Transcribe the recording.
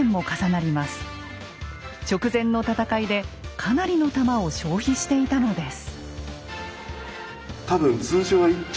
直前の戦いでかなりの玉を消費していたのです。